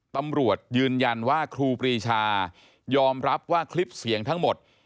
ตำรวจยืนยันว่าครูปรีชายอมรับว่าคลิปเสียงทั้งหมด